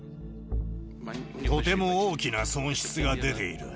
とても大きな損失が出ている。